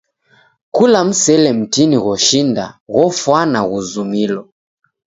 Kula msele mtini ghoshinda ghofwana ghuzumilo.